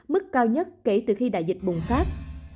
mức cao nhất kể từ khi đại dịch bùng phát